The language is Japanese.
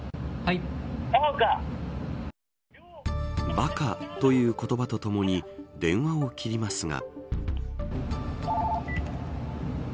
バカという言葉とともに電話を切りますが。